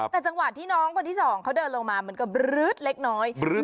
แต่จังหวะที่น้องคนที่สองเขาเดินลงมามันก็บรื๊ดเล็กน้อย